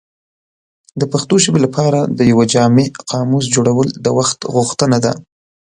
د پښتو ژبې لپاره د یو جامع قاموس جوړول د وخت غوښتنه ده.